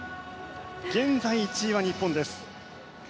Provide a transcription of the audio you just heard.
現在１位は日本です。